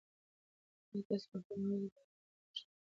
آیا تاسو په خپل موبایل کې د غږیزو لارښوونو څخه کار اخلئ؟